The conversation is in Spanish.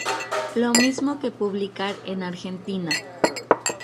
Lo mismo que publicar en Argentina.